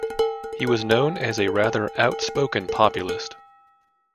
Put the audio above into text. He was known as a rather outspoken populist.